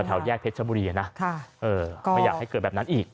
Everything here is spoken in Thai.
แถวแยกเพชรชบุรีนะไม่อยากให้เกิดแบบนั้นอีก